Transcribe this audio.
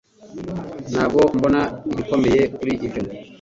Ntabwo mbona igikomeye kuri ibyo